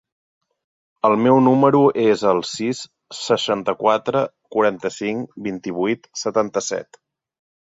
El meu número es el sis, seixanta-quatre, quaranta-cinc, vint-i-vuit, setanta-set.